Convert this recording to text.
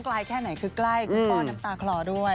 แค่ไหนคือใกล้คุณพ่อน้ำตาคลอด้วย